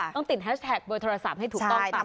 ต้องติดแฮชแท็กเบอร์โทรศัพท์ให้ถูกต้องตาม